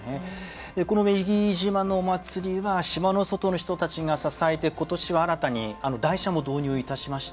この女木島のお祭りは島の外の人たちが支えて今年は新たに台車も導入いたしました。